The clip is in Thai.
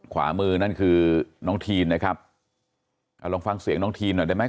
ขวามือนั่นคือน้องทีนนะครับอ่าลองฟังเสียงน้องทีนหน่อยได้ไหม